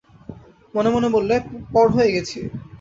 মনে মনে বললে, পর হয়ে গেছি।